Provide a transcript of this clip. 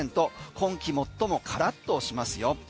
今季、最もカラッとしますよ。